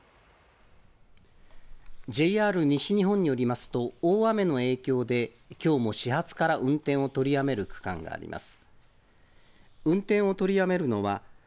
ＪＲ西日本によりますと、大雨の影響で、きょうも始発から運転を取りやめる区間があります。